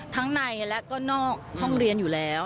ทั้งในและก็นอกห้องเรียนอยู่แล้ว